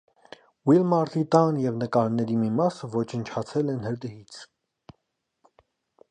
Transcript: Ուիլմարտի տան և նկարների մի մասը ոչնչացել են հրդեհից։